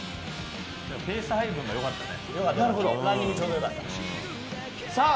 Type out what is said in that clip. ペース配分が良かったね。